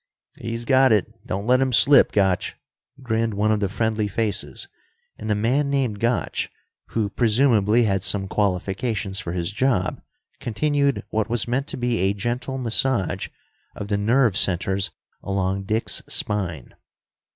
"He's got it. Don't let him slip, Gotch.", grinned one of the friendly faces, and the man named Gotch, who presumably had some qualifications for his job, continued what was meant to be a gentle massage of the nerve centers along Dick's spine.